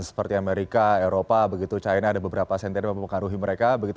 seperti amerika eropa begitu china ada beberapa sentimen yang mempengaruhi mereka begitu